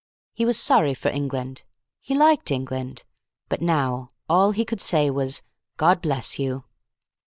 He was sorry for England. He liked England. But now, all he could say was, "God bless you."